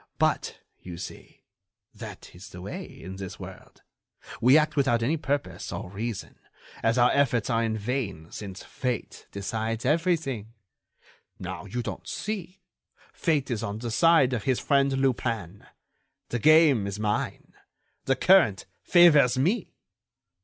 But, you see, that is the way in this world, we act without any purpose or reason, as our efforts are in vain since Fate decides everything. Now, don't you see, Fate is on the side of his friend Lupin. The game is mine! The current favors me!"